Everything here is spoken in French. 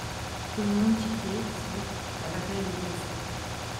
Tout le monde titrait sur « la bataille de l’ISF ».